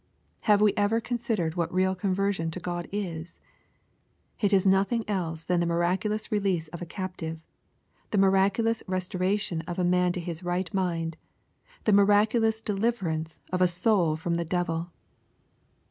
Have we ever considered what real conversion to God is ? It is nothing else than the miraculous release of a captive, the miraculous resto ration of a man to his ''ight mind, the miraculous deliv erance of a soul from the devil.